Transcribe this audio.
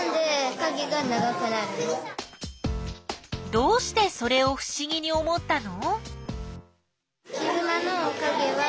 どうしてそれをふしぎに思ったの？